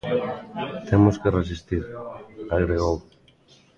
"Temos que resistir", agregou.